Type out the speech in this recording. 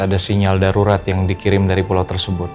ada sinyal darurat yang dikirim dari pulau tersebut